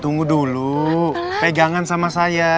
tunggu dulu pegangan sama saya